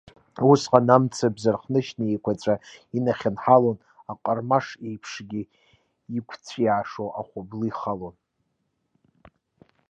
Усҟан амцабз архышьна еиқәаҵәа инахьынҳалон, аҟармаш еиԥшгьы иакәҵәиашо ахәыблы ихалон.